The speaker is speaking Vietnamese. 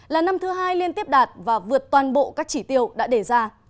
là năm thứ hai liên tiếp đạt và vượt toàn bộ các chỉ tiêu đã đề ra